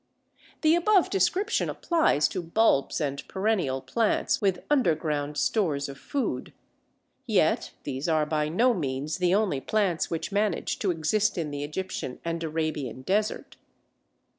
The above description applies to bulbs and perennial plants with underground stores of food. Yet these are by no means the only plants which manage to exist in the Egyptian and Arabian desert.